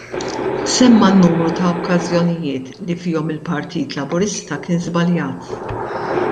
Semma n-numru ta' okkażjonijiet li fihom il-Partit Laburista kien żbaljat.